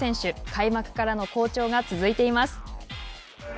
開幕からの好調が続いています。